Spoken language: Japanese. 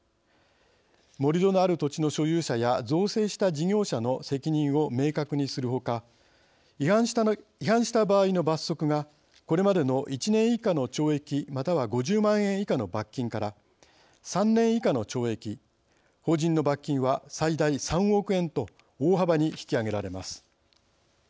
盛り土のある土地の所有者や造成した事業者の責任を明確にするほか違反した場合の罰則がこれまでの１年以下の懲役または５０万円以下の罰金から３年以下の懲役法人の罰金は最大３億円と大幅に引き上げられます。